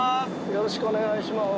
よろしくお願いします